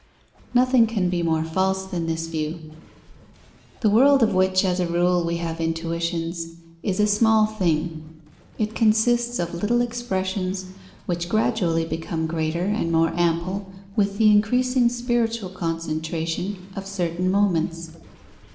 Nothing can be more false than this view. The world of which as a rule we have intuitions, is a small thing. It consists of little expressions which gradually become greater and more ample with the increasing spiritual concentration of certain moments.